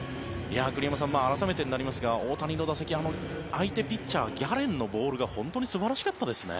栗山さん、改めてになりますが大谷の打席相手ピッチャーギャレンのボールが本当に素晴らしかったですね。